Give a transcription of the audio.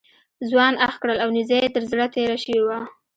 ځوان اخ کړل او نیزه یې تر زړه تېره شوې وه.